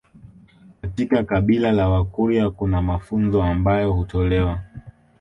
Katika kabila la wakurya kuna mafunzo ambayo hutolewa